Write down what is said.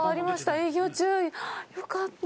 営業中、よかった。